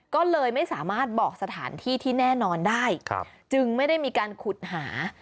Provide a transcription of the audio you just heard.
ก็เลยไม่สามารถบอกสถานที่ที่แน่นอนได้จึงไม่ได้มีการขุดหา